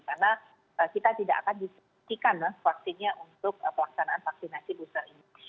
karena kita tidak akan disesuaikan vaksinnya untuk pelaksanaan vaksinasi booster ini